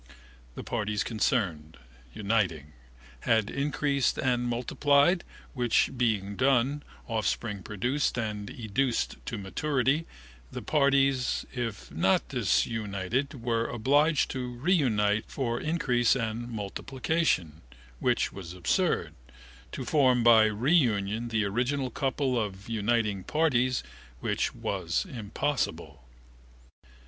The parties concerned, uniting, had increased and multiplied, which being done, offspring produced and educed to maturity, the parties, if not disunited were obliged to reunite for increase and multiplication, which was absurd, to form by reunion the original couple of uniting parties, which was impossible.